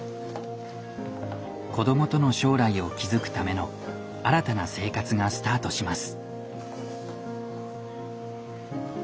子どもとの将来を築くための新たな生活がスタートします。